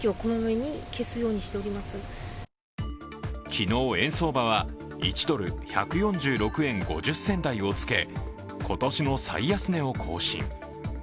昨日、円相場は１ドル＝１４６円５０銭台をつけ今年の最安値を更新。